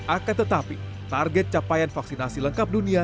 akan tetapi target capaian vaksinasi lengkap dunia